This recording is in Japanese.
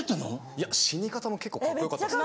いや死に方も結構カッコ良かったっすよ。